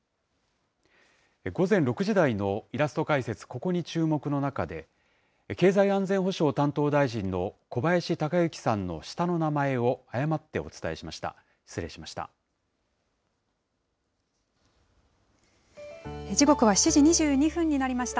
午前６時台のイラスト解説、ここに注目の中で、経済安全保障担当大臣の小林鷹之さんの下の名前を誤ってお伝えしました。